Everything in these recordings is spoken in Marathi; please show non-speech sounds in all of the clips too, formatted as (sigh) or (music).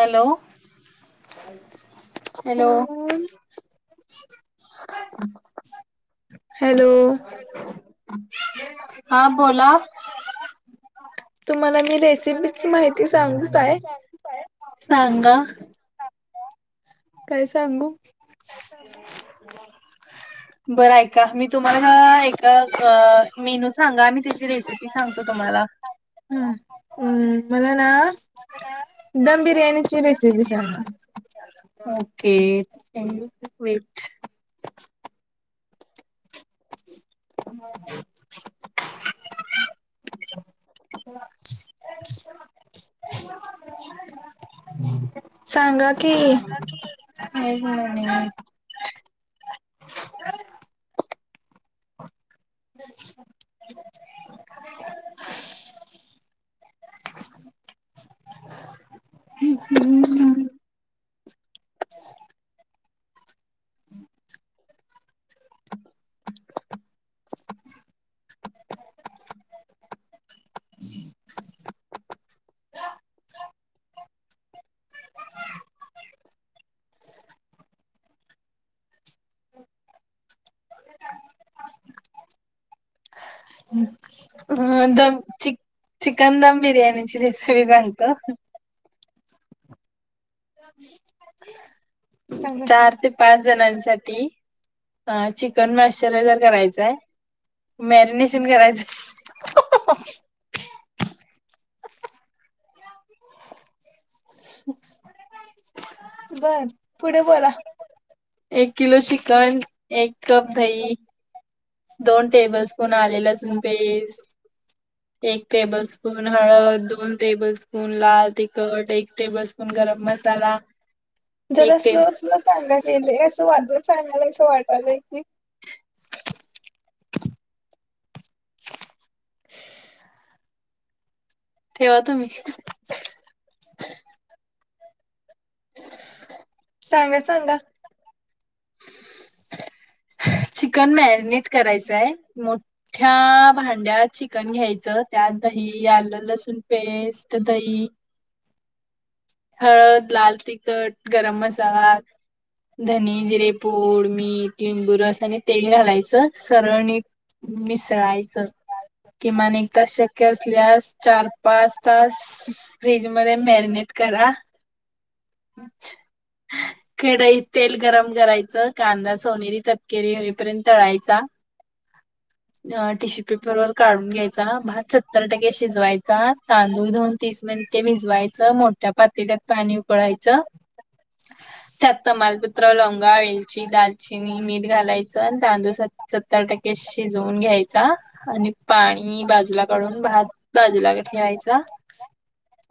हॅलो हॅलो ह (unintelligible) हॅलो हां बोला तुम्हाला मी रेसिपीची माहिती सांगू काय सांगा काय सांगू (unintelligible) बरं ऐका मी तुम्हाला एक मेनू सांगा मी त्याची रेसिपी सांगते तुम्हाला ‌ हा (unintelligible) दम बिर्याणीची रेसिपी सांगा. ओके वेट ह (unintelligible) सांगा कि ह् हम् ह (unintelligible) (unintelligible) (unintelligible) (unintelligible) (unintelligible) अ दम ची चिकन दम बिर्याणीची मिक्सरी सांगतो चार ते पाच जणांसाठी अ चिकन मॉईश्चरायझर करायचाय मॅरिनेशन करायचं. (inaudible) (inaudible) बर पुढे बोला. एक किलो चिकन, एक कप दही दोन टेबल स्पून आले लसूण पेस्ट (unintelligible) एक टेबल स्पून हळद, दोन टेबल स्पून दोन लाल तिखट, एक टेबल स्पून गरम मसाला एक टेबलस्पून (inaudible) (inaudible) ठेवा तुम्ही. (inaudible) (inaudible) सांगा, सांगा. (inaudible) चिकन मॅरिनेट करायचाय मोठ्या भांड्यात चिकन घ्यायचं त्यात दही, आलं, लसूण पेस्ट, दही हळद, लाल तिखट, गरम मसाला धने, जिरे पुड, मीठ बूरस आणि तेल घालायचं सरळ नीट मिसळायचं. किमान एक तास शक्य असल्यास चार, पाच तास फ्रीज मध्ये मॅरिनेट क रा. (inaudible) कढईत तेल गरम करायचं कांदा सोने तपकेरी होईपर्यंत तळायचा. (inaudible) अ टिश्यू पेपर वर काढून घ्यायचा भात सत्तर टक्के शिजवायचा तांदूळ धूऊन तीस मिन टे भिजवायचं मोठ्या पातेल्यात पाणी उकळायचं त्यात तमालपत्र, लवंगा, वेलची, दालचिनी मीठ घालायच आणि तांदूळ स-सत्तर टक्के शिजवून घ्यायचा आणि पाणी बाजूनी बाजूला काडून भात बाजूला ठेवायचा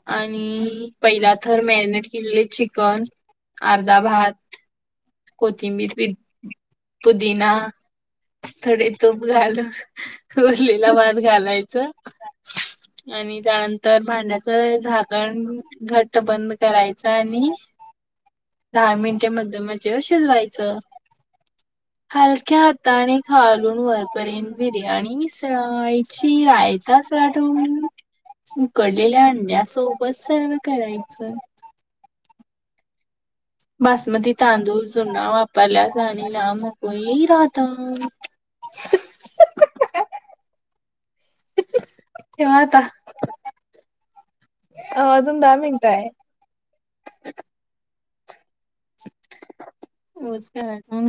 (inaudible) आणि पहिला थर मॅरिनेट केलेले चिकन अर्धा भात कोथिंबीर पुदिना थोडे तूप घालून उरलेला भात घालायचं. आणि त्यानंतर भांड्याचं झाकण घट्ट बंद करायचा आणि दहा मिनिटेमध्ये म्हजे शिजवायचं. हलक्या हाताने घालून वरपर्यंत बिर्याणी मिसळायची हाय का. (unintelligible) उकडलेल्या अंड्यासोबत सर्व करायचं. बासमती तांदूळ जुना वापरला जाणार ना म (unintelligible) राहता. (inaudible) (inaudible) ठेवा आता. (inaudible) अ अजून दहा मिनटं आहेत. (inaudible) (inaudible) होच करायच मनजे.